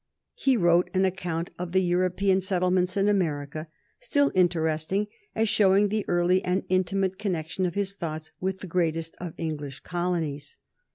He wrote an account of the European settlements in America, still interesting as showing the early and intimate connection of his thoughts with the greatest of English colonies.